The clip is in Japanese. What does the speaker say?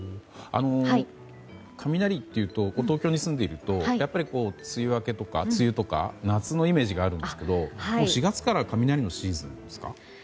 雷っていうと東京に住んでいるとやっぱり梅雨明けとか梅雨とか夏のイメージがあるんですが４月から雷のシーズンなんですか。